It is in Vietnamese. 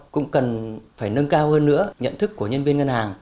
cũng cần phải nâng cao hơn nữa nhận thức của nhân viên ngân hàng